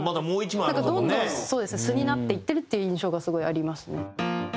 なんかどんどん素になっていってるっていう印象がすごいありますね。